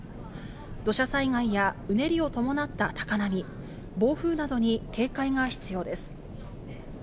土砂災害やうねりを伴った高波、暴風などに警戒が必要です。